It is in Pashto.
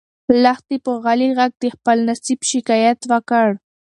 لښتې په غلي غږ د خپل نصیب شکایت وکړ.